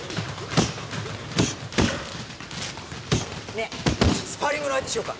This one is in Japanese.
ねえスパーリングの相手しようか？